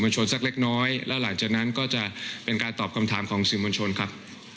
ชนสักเล็กน้อยแล้วหลังจากนั้นก็จะเป็นการตอบคำถามของสื่อมวลชนครับ